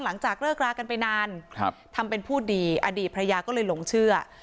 หลังจากเลิกรากันไปนานทำเป็นพูดดีอดีตภรรยาก็เลยหลงเชื่อ